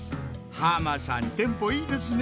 浜さんテンポいいですねぇ！